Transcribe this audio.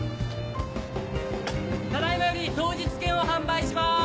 ただ今より当日券を販売します！